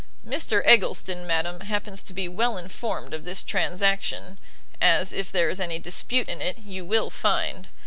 "Mr Eggleston, madam, happens to be well informed of this transaction, as, if there is any dispute in it, you will find.